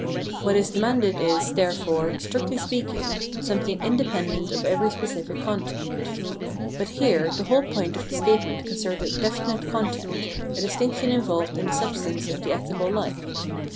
What is demanded is, therefore, strictly speak ing, something independent of every specific content, Reason as Lawgiver 415 But, here, the whole point of the statement concerned a definite content, a distinction involved in the substance of the ethical life.